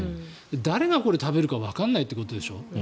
誰が食べるかわからないということでしょ？